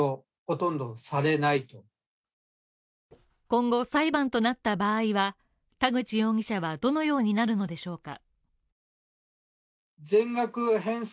今後裁判となった場合は、田口容疑者はどのようになるのでしょうか？